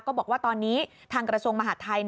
บอกว่าตอนนี้ทางกระทรวงมหาดไทย